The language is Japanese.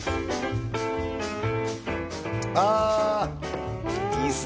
あいいっすね